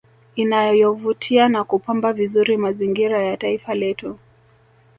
Inayovutia na kupamba vizuri mazingira ya taifa letu